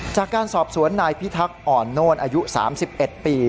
จากการสอบสวนนายพิทักษ์อ่อนโน่นอายุ๓๑ปี